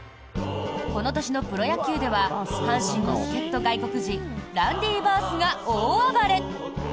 この年のプロ野球では阪神の助っ人外国人ランディ・バースが大暴れ。